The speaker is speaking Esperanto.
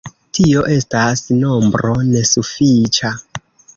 Tio estas nombro nesufiĉa.